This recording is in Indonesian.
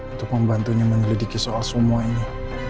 untuk membantunya menyelidiki soal semua ini